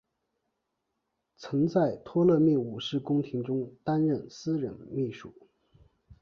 曾在托勒密五世宫廷中担任私人秘书。